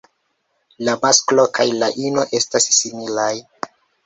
La masklo kaj la ino estas similaj.